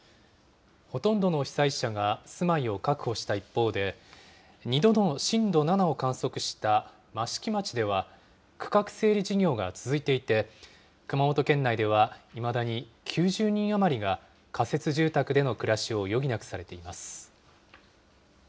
ほとんどの被災者が住まいを確保した一方で、２度の震度７を観測した益城町では、区画整理事業が続いていて、熊本県内ではいまだに９０人余りが仮設住宅での暮らしを余儀なくされています。